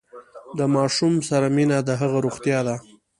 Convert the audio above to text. د ماشوم سره مینه د هغه روغتیا ده۔